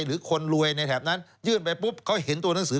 หรือคนรวยในแถบนั้นยื่นไปปุ๊บเขาเห็นตัวหนังสือ